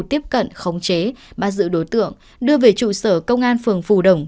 tiếp cận khống chế bắt giữ đối tượng đưa về trụ sở công an phường phù đồng